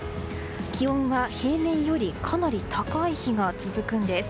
気温は、平年よりかなり高い日が続くんです。